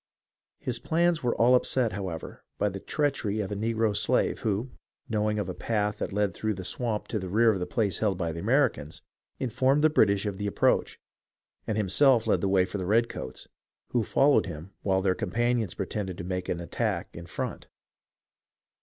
His plans were all upset, however, by the treachery of a negro slave, who, knowing of a path that led through the swamp to the rear of the place held by the Americans, informed the British of the approach, and himself led the way for the redcoats, who followed him while their companions pretended to make an attack in front.